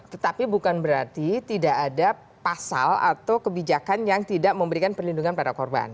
tetapi bukan berarti tidak ada pasal atau kebijakan yang tidak memberikan perlindungan pada korban